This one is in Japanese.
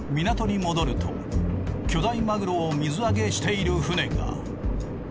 港に戻ると巨大マグロを水揚げしている船が。